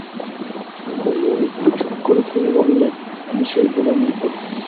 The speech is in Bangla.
কুমু একটু চুপ করে থেকে বললে, আমি সেই গোলামিই করব।